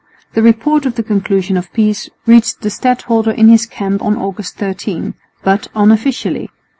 The report of the conclusion of peace reached the stadholder in his camp on August 13, but unofficially.